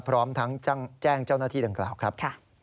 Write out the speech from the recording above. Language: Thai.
พร้อมทั้งแจ้งเจ้าหน้าที่ดังกล่าวครับ